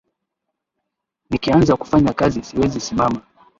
Nikianza kufanya kazi siwezi simama